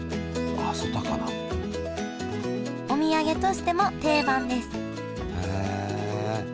お土産としても定番です